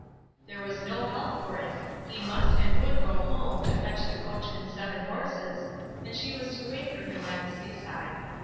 There was no help for it, he must and would go home to fetch the coach and seven horses, and she was to wait for him by the seaside.